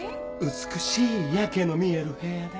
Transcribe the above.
美しい夜景の見える部屋で。